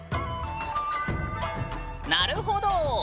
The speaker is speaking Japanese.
なるほど。